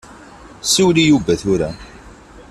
Siwel i Yuba tura.